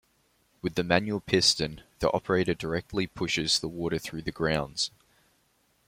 With the manual piston, the operator directly pushes the water through the grounds.